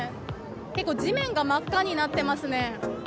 結構地面が真っ赤になっていますね。